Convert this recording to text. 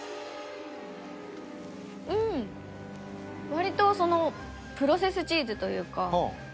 割とそのプロセスチーズというか。